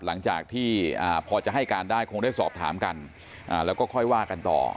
หลังจากที่พอจะให้การได้คงได้สอบถามกันแล้วก็ค่อยว่ากันต่อ